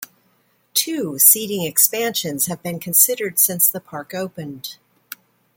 Two seating expansions have been considered since the park opened.